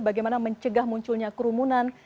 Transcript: bagaimana mencegah munculnya kerumunan